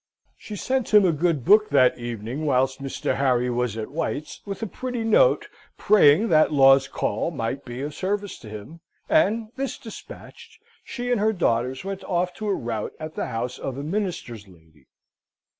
She sent him a good book that evening, whilst Mr. Harry was at White's; with a pretty note, praying that Law's Call might be of service to him: and, this despatched, she and her daughters went off to a rout at the house of a minister's lady.